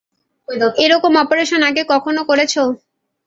এরকম অপারেশন আগে কখনও করেছ?